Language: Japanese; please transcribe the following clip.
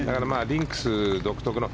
リンクス独特の。